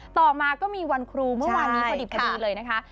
ต่อมาก็มีวันครูเมื่อวานนี้พอดิบพอดีเลยนะคะ